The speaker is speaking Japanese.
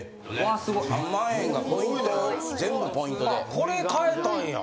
これ買えたんや。